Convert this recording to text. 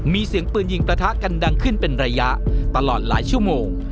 มีเสียงปืนยิงประทะกันดังขึ้นเป็นระยะตลอดหลายชั่วโมง